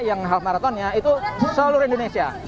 yang half marathonnya itu seluruh indonesia